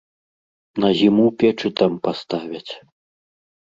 На зіму печы там паставяць.